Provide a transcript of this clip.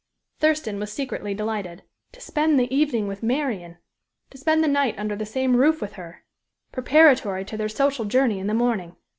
Thurston was secretly delighted. To spend the evening with Marian! to spend the night under the same roof with her preparatory to their social journey in the morning.